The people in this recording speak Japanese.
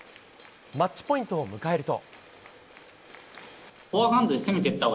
マッチポイントを迎えると。